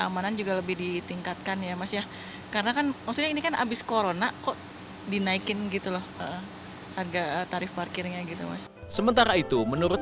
maksudnya ini kan abis corona kok dinaikin gitu loh harga tarif parkirnya gitu sementara itu menurut